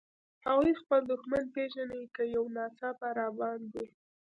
هغوی خپل دښمن پېژني، که یو ناڅاپه را باندې.